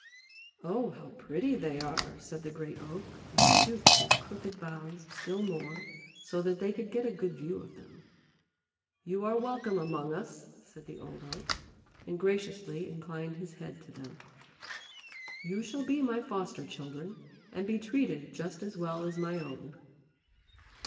"Oh, how pretty they are!" said the Great Oak, and stooped his crooked boughs still more, so that they could get a good view of them. "You are welcome among us," said the Old Oak, and graciously inclined his head to them. "You shall be my foster children, and be treated just as well as my own."